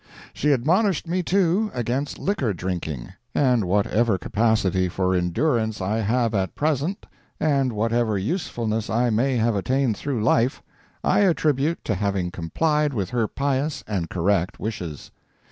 She admonished me, too, against liquor drinking, and whatever capacity for endurance I have at present, and whatever usefulness I may have attained through life, I attribute to having complied with her pious and correct wishes.